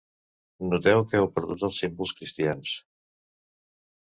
Noteu que heu perdut els símbols cristians.